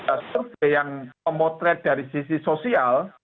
ada survei yang memotret dari sisi sosial